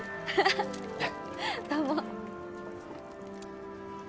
どうも。